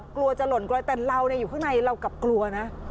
กลัวจะหล่นกลอยแต่เราอยู่ข้างในเรากลับกลัวนะ